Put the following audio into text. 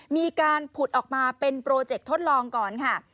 มีการผุดออกมาเป็นโปรเจกต์ทดลองก่อนค่ะ